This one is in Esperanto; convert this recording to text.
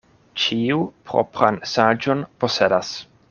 Ĉiu propran saĝon posedas.